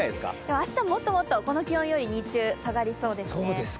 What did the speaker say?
明日はもっともっとこの気温より日中、下がりそうですね。